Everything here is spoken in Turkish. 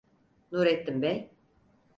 Nurettin bey: